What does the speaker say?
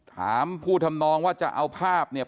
ถามผู้ทำนองว่าจะเอาภาพเนี่ย